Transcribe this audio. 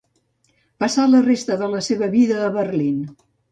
Passà la resta de la seva vida a Berlín.